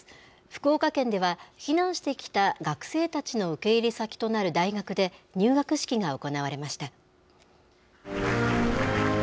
福岡県では、避難してきた学生たちの受け入れ先となる大学で、入学式が行われました。